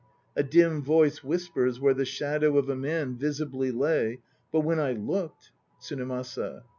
A dim voice whispers where the shadow of a man Visibly lay, but when I looked TSUNEMASA.